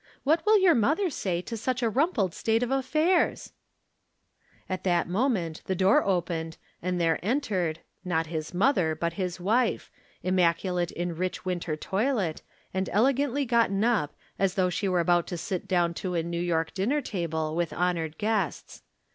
What will your mother say to such a rumpled state of affairs ?" At that moment the door opened and there entered, not his mother, but his wife, immacu late in rich winter toilet, and elegantly gotten up as though she were about to sit down to a New York dinner table with honored guests.